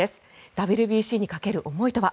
ＷＢＣにかける思いとは。